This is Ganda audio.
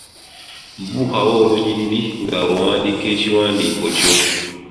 Buukawo olunyiriri ng'owandiika ekiwandiiko kyo.